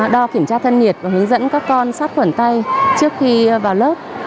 đo kiểm tra thân nhiệt và hướng dẫn các con sát khuẩn tay trước khi vào lớp